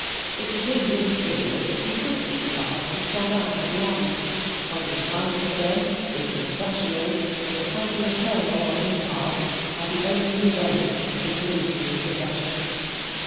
It was in this period that he quitted the Guards and sold out of the army. When we find him again, his mustachios and the title of Colonel on his card are the only relics of his military profession.